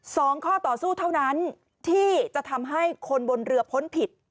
ข้อต่อสู้เท่านั้นที่จะทำให้คนบนเรือพ้นผิด